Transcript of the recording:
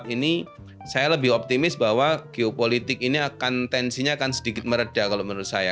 ini saya lebih optimis bahwa geopolitik ini akan tensinya akan sedikit meredah kalau menurut saya